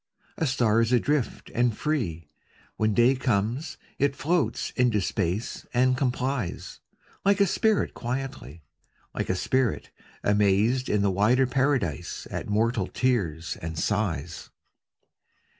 A star is adrift and free. When day comes, it floats into space and com plies ; Like a spirit quietly, Like a spirit, amazed in a wider paradise At mortal tears and sighs.